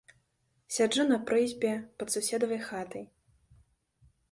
Сяджу на прызбе пад суседавай хатай.